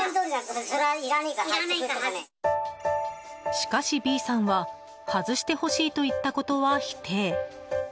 しかし、Ｂさんは外してほしいと言ったことは否定。